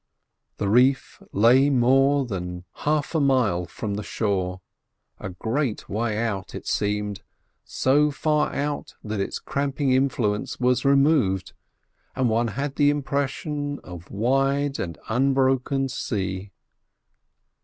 The reef lay more than half a mile from the shore: a great way out, it seemed, so far out that its cramping influence was removed, and one had the impression of wide and unbroken sea.